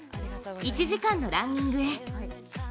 １時間のランニングへ。